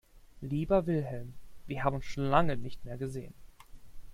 Lieber Wilhelm, wir haben uns schon so lange nicht mehr gesehen.